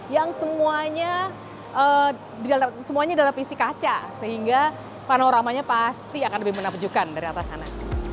yang semuanya dalam isi kaca sehingga panoramanya pasti akan lebih menakjukan dari atas sana